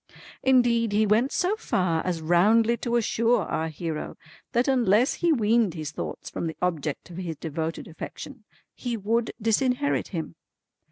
Indeed he went so far as roundly to assure our hero that unless he weaned his thoughts from the object of his devoted affection, he would disinherit him.